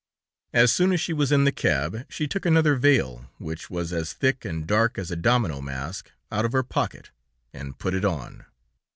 As soon as she was in the cab, she took another veil, which was as thick and dark as a domino mask, out of her pocket, and put it on.